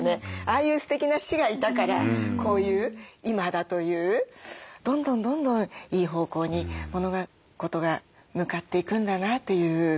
ああいうすてきな師がいたからこういう今だというどんどんどんどんいい方向に物事が向かっていくんだなという。